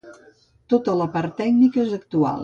Tota la part tècnica és actual.